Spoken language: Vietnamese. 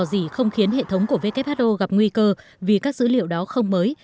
do gì không khiến hệ thống của who gặp nguy cơ vì các dữ liệu đó không mới